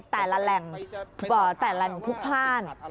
แต่ละแหล่งพุภาณ